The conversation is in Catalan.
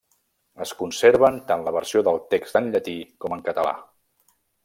Es conserven tant la versió del text en llatí com en català.